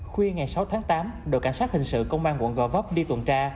khuya ngày sáu tháng tám đội cảnh sát hình sự công an quận gò vấp đi tuần tra